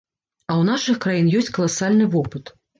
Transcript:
А ў нашых краін ёсць каласальны вопыт.